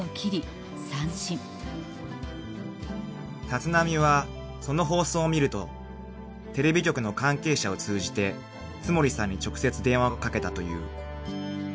［立浪はその放送を見るとテレビ局の関係者を通じて津森さんに直接電話をかけたという］